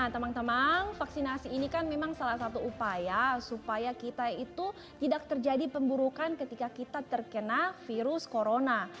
teman teman vaksinasi ini kan memang salah satu upaya supaya kita itu tidak terjadi pemburukan ketika kita terkena virus corona